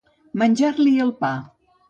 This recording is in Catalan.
Menjar-li el pa.